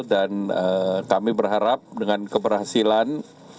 dan kami berharap dengan keberhasilan